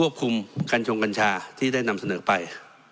คุมกัญชงกัญชาที่ได้นำเสนอไป